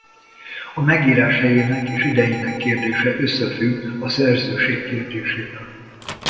A megírás helyének és idejének kérdése összefügg a szerzőség kérdésével.